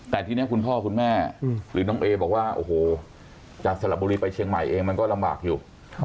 แต่ทีนี้คุณพ่อคุณแม่หรือน้องเอบอกว่าโอ้โหจากสระบุรีไปเชียงใหม่เองมันก็ลำบากอยู่